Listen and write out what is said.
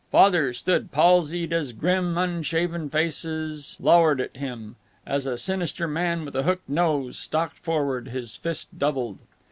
Father stood palsied as grim, unshaven faces lowered at him, as a sinister man with a hooked nose stalked forward, his fist doubled.